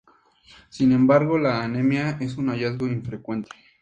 Sin embargo, la anemia es un hallazgo infrecuente.